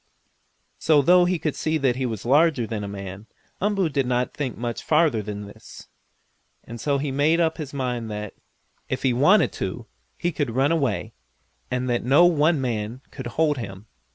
So, though he could see that he was larger than a man, Umboo did not think much farther than this, and so he never made up his mind that, if he wanted to, he could run away, and that no one man could hold him.